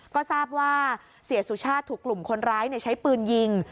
ก็ทราบว่าเสียสุชาติถูกกลุ่มคนร้ายใช้ปืนยิง